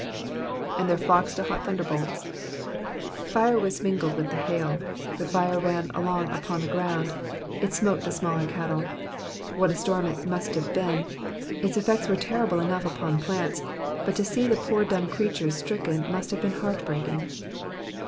^^And their flocks to hjt thufulerhoVs,"*^ Fire was mingled with the hail, the fire ran along upon the ground, it smote the smaller cattle. What a storm must that have been : its effects were terrible enough upon Slants, but to see the poor dumb creatures stricken must have been heart reaking.